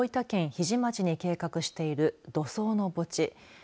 日出町に計画している土葬の墓地。